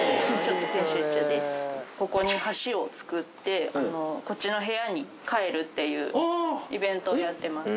ここに橋を作ってこっちの部屋に帰るっていうイベントをやってます。